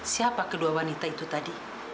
siapa kedua wanita itu tadi